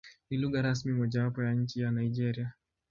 Ni lugha rasmi mojawapo ya nchi ya Nigeria.